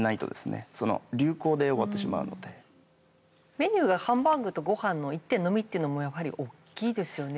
メニューがハンバーグとご飯の１点のみっていうのもやはり大きいですよね。